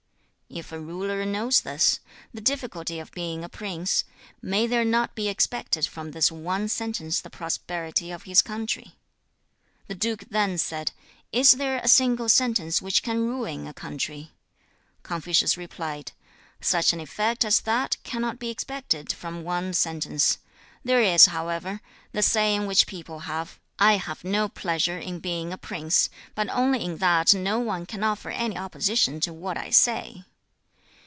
3. 'If a ruler knows this, the difficulty of being a prince, may there not be expected from this one sentence the prosperity of his country?' 4. The duke then said, 'Is there a single sentence which can ruin a country?' Confucius replied, 'Such an effect as that cannot be expected from one sentence. There is, however, the saying which people have "I have no pleasure in being a prince, but only in that no one can offer any opposition to what I say!"